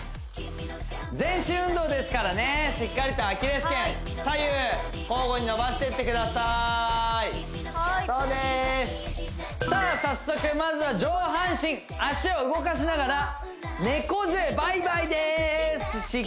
全身運動ですからねしっかりとアキレス腱左右交互に伸ばしていってくださいそうでーすさあ早速まずは上半身足を動かしながら猫背バイバイでーすわあ嬉しい